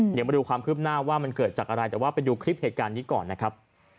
เดี๋ยวมาดูความคืบหน้าว่ามันเกิดจากอะไรแต่ว่าไปดูคลิปเหตุการณ์นี้ก่อนนะครับ